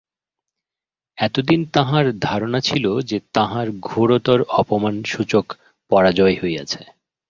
এত দিন তাঁহার ধারণা ছিল যে তাঁহার ঘােরতর অপমানসুচক পরাজয় হইয়াছে।